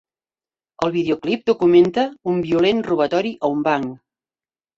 El videoclip documenta un violent robatori a un banc.